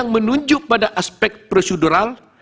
menunjuk pada aspek prosedural